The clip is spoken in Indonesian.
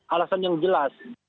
alasan yang jelas